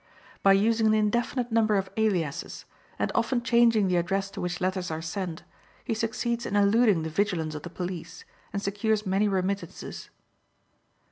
By using an indefinite number of aliases, and often changing the address to which letters are sent, he succeeds in eluding the vigilance of the police, and secures many remittances.